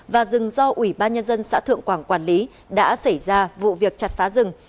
và rừng do ủy ban nhân dân xã thượng quảng quản lý đã xảy ra vụ việc chặt phá rừng